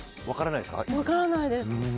分からないです。